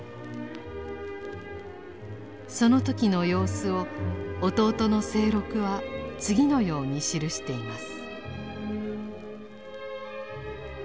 その時の様子を弟の清六は次のように記しています。